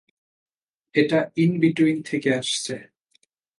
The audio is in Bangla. এটা ইন বিটুইন থেকে আসছে।